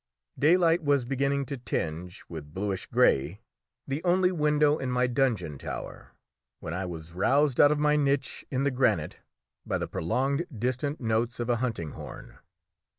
Daylight was beginning to tinge with bluish grey the only window in my dungeon tower when I was roused out of my niche in the granite by the prolonged distant notes of a hunting horn.